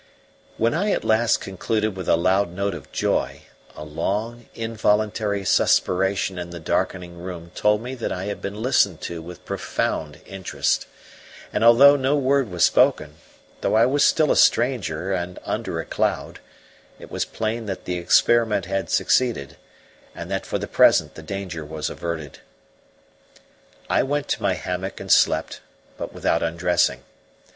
When I at last concluded with a loud note of joy, a long, involuntary suspiration in the darkening room told me that I had been listened to with profound interest; and, although no word was spoken, though I was still a stranger and under a cloud, it was plain that the experiment had succeeded, and that for the present the danger was averted. I went to my hammock and slept, but without undressing.